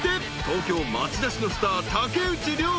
［東京町田市のスター竹内涼真］